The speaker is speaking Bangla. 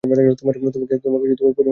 তোমাকে পরির মতো লাগছে, লিনি!